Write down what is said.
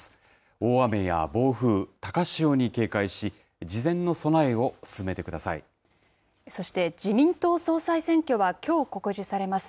大雨や暴風、高潮に警戒し、そして、自民党総裁選挙はきょう告示されます。